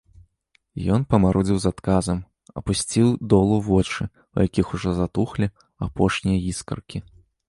Ён памарудзіў з адказам, апусціў долу вочы, у якіх ужо затухлі апошнія іскаркі.